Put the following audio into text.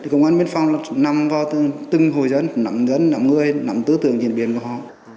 công an biên phong nằm vào từng hồi dân nằm dân nằm người nằm tư tưởng diễn biến của họ